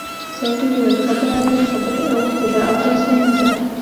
ساقي وویل خبره تر خبرې اوښتې ده او داسې نه ده.